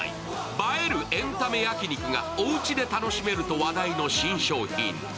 映えるエンタメ焼き肉がおうちで楽しめると話題の新商品。